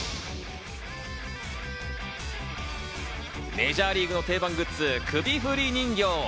メジャーリーグの定番グッズ、首振り人形。